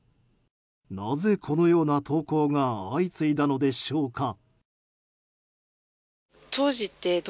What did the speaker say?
なぜ、このような投稿が相次いだのでしょうか。